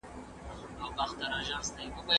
ایا د بادرنګو خوړل په ګرمۍ کي د تندي مخه نیسي؟